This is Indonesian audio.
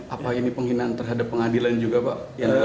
apa ini penghinaan terhadap pengadilan juga pak